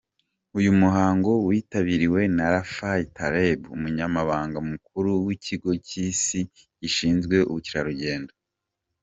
Uyu muhango witabiriwe na Rifai Taleb, umunyamabanga mukuru w’ikigo cy’Isi gishinzwe ubukerarugendo.